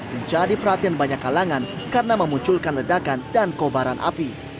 menjadi perhatian banyak kalangan karena memunculkan ledakan dan kobaran api